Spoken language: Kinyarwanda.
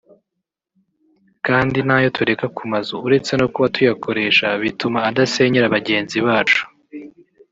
kandi n’ayo tureka ku mazu uretse no kuba tuyakoresha bituma adasenyera bagenzi bacu